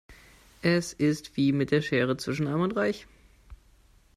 Es ist wie mit der Schere zwischen arm und reich.